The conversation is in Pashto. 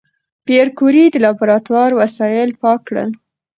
پېیر کوري د لابراتوار وسایل پاک کړل.